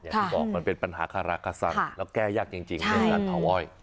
อย่างที่บอกมันเป็นปัญหาคารากษัตริย์แล้วแก้ยากจริงในหน่วยงานเผาอ้อย